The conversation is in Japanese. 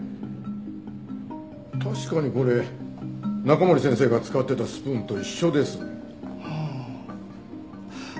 確かにこれ中森先生が使ってたスプーンと一緒です。はあ。